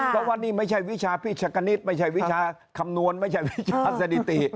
เพราะว่านี่ไม่ใช่วิชาพิชกณิตไม่ใช่วิชาคำนวณไม่ใช่วิชาสถิติ